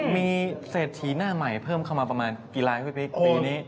มีเศรษฐีหน้าใหม่เพิ่มเข้ามาประมาณกี่ล้านพี่ปิ๊กปีนี้